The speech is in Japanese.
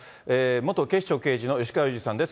元警視庁刑事の吉川祐二さんです。